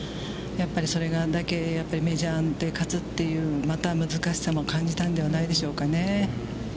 やっぱりそれがあんだけ、メジャーで勝つという、また難しさも感じたんではないでしょうかね。